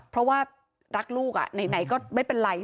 เพราะว่ารักลูกไหนก็ไม่เป็นไร